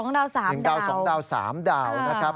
๑ดาว๒ดาว๓ดาว๑ดาว๒ดาว๓ดาวนะครับ